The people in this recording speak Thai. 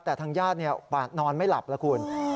แต่ทางญาตินอนไม่หลับแล้วคุณ